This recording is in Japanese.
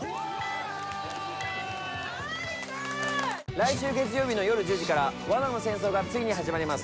来週月曜日の夜１０時から「罠の戦争」がついに始まります。